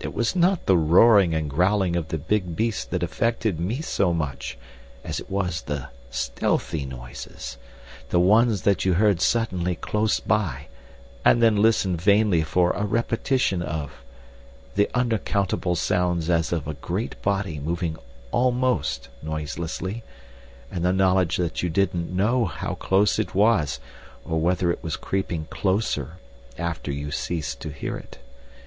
It was not the roaring and growling of the big beasts that affected me so much as it was the stealthy noises—the ones that you heard suddenly close by and then listened vainly for a repetition of—the unaccountable sounds as of a great body moving almost noiselessly, and the knowledge that you didn't KNOW how close it was, or whether it were creeping closer after you ceased to hear it?